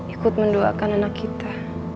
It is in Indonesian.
ikut mendoakan anak kita